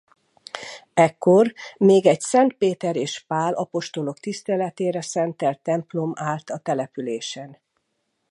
Ekkor még egy Szent Péter és Pál apostolok tiszteletére szentelt templom állt a településen.